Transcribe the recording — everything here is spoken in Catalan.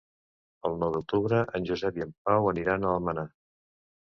El nou d'octubre en Josep i en Pau aniran a Almenar.